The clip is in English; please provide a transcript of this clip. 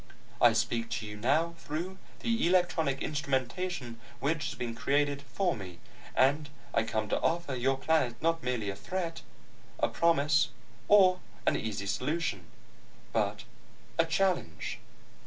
I speak to you now through the electronic instrumentation which has been created for me, and I come to offer your planet not merely a threat, a promise, or an easy solution but a challenge."